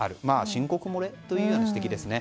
申告漏れという指摘ですね。